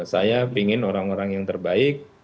saya ingin orang orang yang terbaik